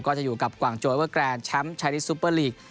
จะอยู่กับกวางโจเวอร์แกรนดแชมป์ชายลิสซุปเปอร์ลีก